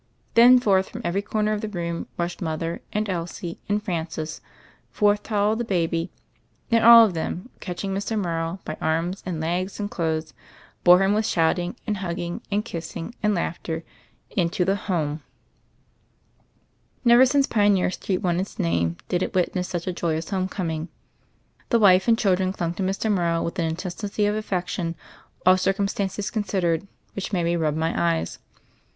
Then forth from every corner of the room rushed mother and Elsie and Francis; forth toddled the baby, and all of them, catching Mr. Morrow by arms and legs and clothes, bore him with shouting and hugging and kissing and laughter into the home. Never since Pioneer Street won its name did it witness such a joyous homecoming. The wife and children clung to Mr. Morrow with an in tensity of affection, all ci]:cumstances consid THE FAIRY OF THE SNOWS 217 ered, which made me rub my eyes.